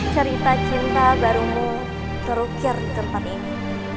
cerita cinta barumu terukir di tempat ini